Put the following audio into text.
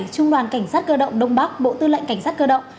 trung đoàn cảnh sát cơ động đông bắc bộ tư lệnh cảnh sát cơ động